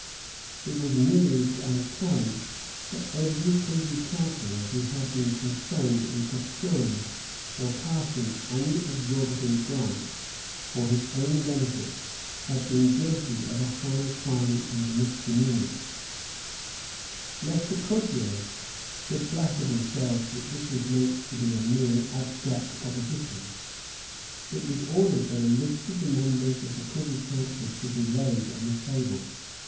It was moved and carried that every Privy Councillor who had been concerned in procuring or passing any exorbitant grant for his own benefit had been guilty of a high crime and misdemeanour. Lest the courtiers should flatter themselves that this was meant to be a mere abstract proposition, it was ordered that a list of the members of the Privy Council should be laid on the table.